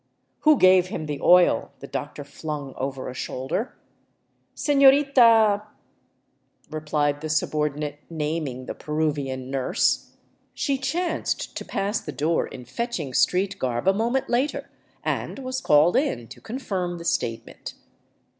" Who gave him the oil ?" the doctor flung over a shoulder. " Senorita ," replied the subordinate, naming the Peruvian nurse. She chanced to pass the door in fetching street garb a moment later, and was called in to confirm the statement.